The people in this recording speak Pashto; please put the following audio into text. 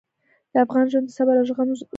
د افغان ژوند د صبر او زغم ژوند دی.